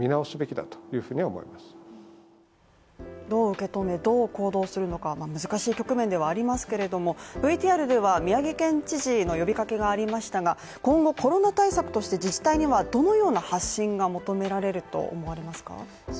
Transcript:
どう受け止め、どう行動するのか難しい局面ではありますけれどもＶＴＲでは宮城県知事の呼びかけがありましたが今後、コロナ対策として、自治体にはどのような発信が求められると思いますか？